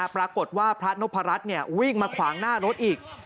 ปรากฏว่าพระนพรัชวิ่งมาขวางหน้ารถอีก